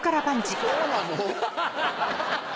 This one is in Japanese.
そうなの？